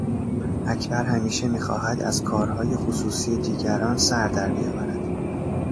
اکبر همیشه میخواهد از کارهای خصوصی دیگران سر در بیاورد.